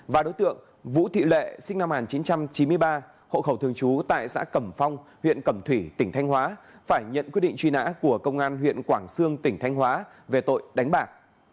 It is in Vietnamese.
và đối tượng vũ thị lệ sinh năm một nghìn chín trăm chín mươi ba hộ khẩu thường trú tại xã cẩm phong huyện cẩm thủy tỉnh thanh hóa phải nhận quyết định truy nã của công an huyện quảng sương tỉnh thanh hóa về tội đánh bạc